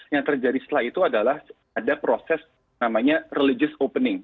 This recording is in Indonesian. yang terjadi setelah itu adalah ada proses namanya religius opening